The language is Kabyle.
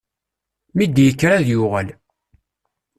Mi d-yekker ad yuɣal.